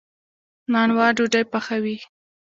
نانوا ډوډۍ پخوي.